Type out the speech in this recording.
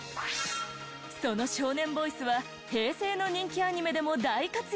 その少年ボイスは平成の人気アニメでも大活躍。